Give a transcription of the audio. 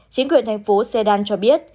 chính quyền thành phố sendan cho biết